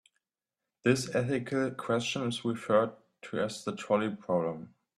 This ethical question is referred to as the trolley problem.